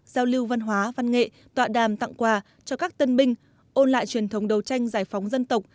giao lưu văn hóa văn nghệ tọa đàm tặng quà cho các tân binh ôn lại truyền thống đấu tranh giải phóng dân tộc